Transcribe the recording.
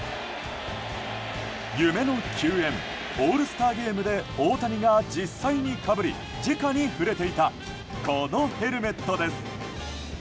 夢の球宴、オールスターゲームで大谷が実際にかぶり直に触れていたこのヘルメットです。